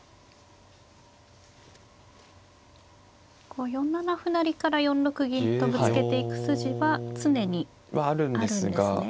こう４七歩成から４六銀とぶつけていく筋は常にあるんですね。